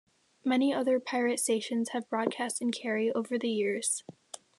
Many other pirate stations have broadcast in Kerry over the years.